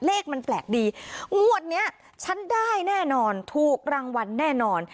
เลขมันแปลกดีงวดนี้ฉันได้แน่นอนถูกรางวัลแน่นอน